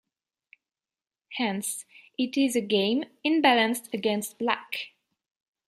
Hence, it is a game imbalanced against Black.